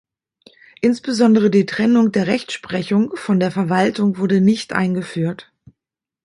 Insbesondere die Trennung der Rechtsprechung von der Verwaltung wurde nicht eingeführt.